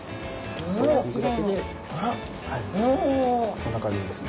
こんな感じですね。